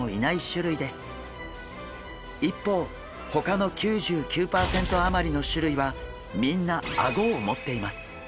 一方ほかの９９パーセント余りの種類はみんなアゴを持っています。